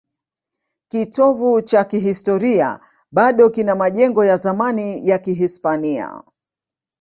Kitovu cha kihistoria bado kina majengo ya zamani ya Kihispania.